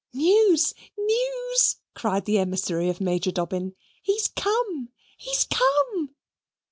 "News! News!" cried the emissary of Major Dobbin. "He's come! He's come!"